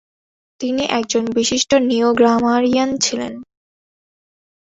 তিনি একজন বিশিষ্ট নিওগ্রামারিয়ান ছিলেন।